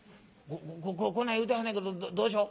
こんな言うてはんねんけどどうしよ？」。